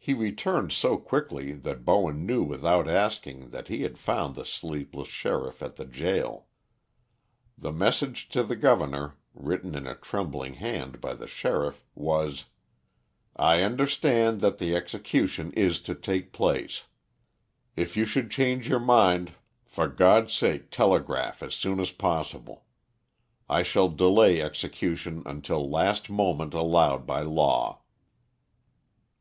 He returned so quickly that Bowen knew without asking that he had found the sleepless sheriff at the gaol. The message to the governor, written in a trembling hand by the sheriff, was: "I understand that the execution is to take place. If you should change your mind, for God's sake telegraph as soon as possible. I shall delay execution until last moment allowed by law."